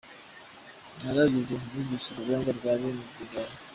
Nararize numvise urubanza rwa bene Rwigara.